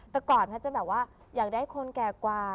แต่ก่อนแพทย์จะแบบว่าอยากได้คนแก่กว่า